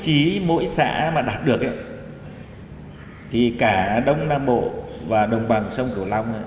chỉ mỗi xã mà đạt được thì cả đông nam bộ và đồng bằng sông thủ long